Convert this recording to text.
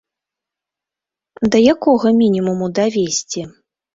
Да якога мінімуму давесці?